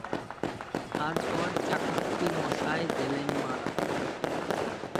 তারপর চাকত্তি মশায় গেলেন মারা।